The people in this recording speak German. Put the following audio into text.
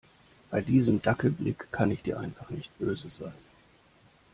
Bei diesem Dackelblick kann ich dir einfach nicht böse sein.